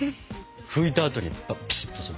拭いたあとにピシッとする。